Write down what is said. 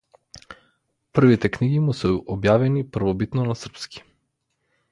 Првите книги му се објавени првобитно на српски.